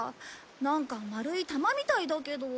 なんか丸い球みたいだけど。